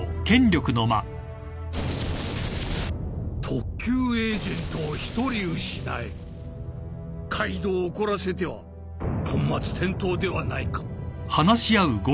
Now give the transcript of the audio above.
特級エージェントを１人失いカイドウを怒らせては本末転倒ではないか。